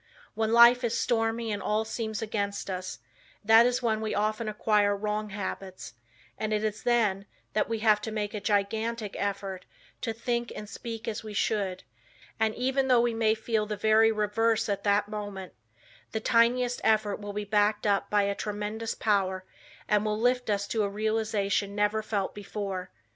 When life is stormy and all seems against us, that is when we often acquire wrong habits, and it is then, that we have to make a gigantic effort to think and speak as we should; and even though we may feel the very reverse at that moment the tiniest effort will be backed up by a tremendous Power and will lift us to a realization never felt before.